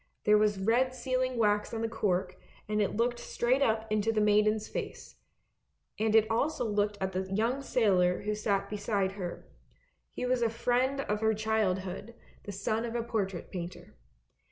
There was red sealing wax on the cork, and it looked straight up into the maiden's face; and it also looked at the young sailor who sat beside her, he was a friend of her childhood, the son of a portrait painter.